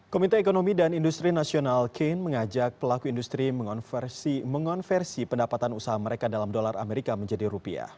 komite ekonomi dan industri nasional kane mengajak pelaku industri mengonversi pendapatan usaha mereka dalam dolar amerika menjadi rupiah